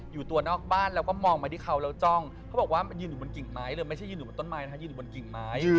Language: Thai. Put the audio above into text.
อยู่ตัวนอกบ้านแล้วก็มองมาที่เขาแล้วจ้องเขาบอกว่ามันยืนอยู่บนกิ่งไม้เลยไม่ใช่ยืนอยู่บนต้นไม้นะคะยืนอยู่บนกิ่งไม้